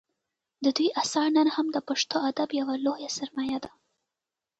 د دوی اثار نن هم د پښتو ادب یوه لویه سرمایه ده